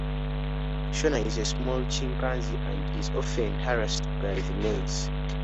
Shona is a small chimpanzee and is often harassed by the males.